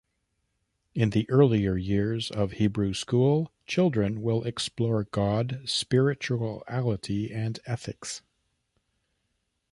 In the earlier years of Hebrew school children will explore God, spirituality and ethics.